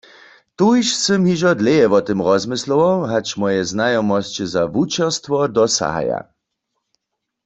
Tuž sym hižo dlěje wo tym rozmyslował, hač moje znajomosće za wučerstwo dosahaja.